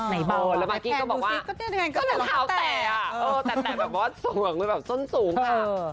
ไหนบ้างแบบแกงดูซิกก็เตี๊ยวก็เป็นขาวแต่อะแต่แบบว่าส่วนสูงค่ะ